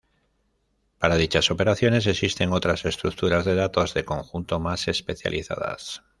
Para dichas operaciones existen otras estructuras de datos de conjunto más especializadas.